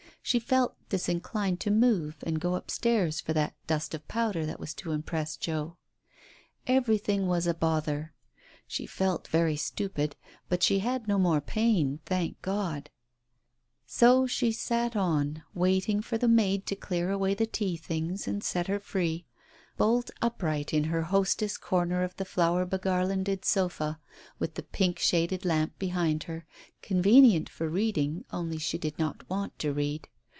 ... She felt disinclined to move and go upstairs for that dust of powder that was to impress Joe. ... Everything was a bother ... she felt very stupid, but she had no more pain, thank God !... So she sat on, waiting for the maid to clear away the tea things and set her free, bolt upright in her hostess Digitized by Google THE OPERATION 65 corner of the flower begarlanded sofa, with the pink shaded lamp behind her, convenient for reading, only she did not want to read.